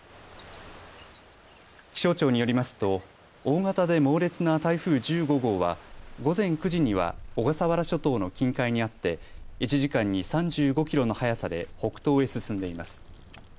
気象庁によりますと大型で猛烈な台風１５号は午前９時には小笠原諸島の近海にあって１時間に３５キロの速さで北東へ進んでいます。